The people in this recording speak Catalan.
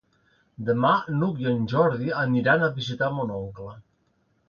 Demà n'Hug i en Jordi aniran a visitar mon oncle.